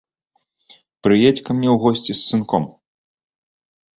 Прыедзь ка мне ў госці з сынком.